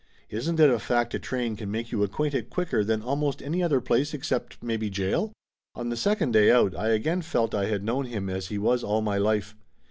Isn't it a fact a train can make you acquainted quicker than almost any other place except maybe jail? On the second day out I again felt I had known him as he was all my life.